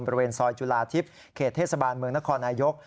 บริเวณซอยจุฬาทิพย์เขตเทศบาลเมืองนครนายก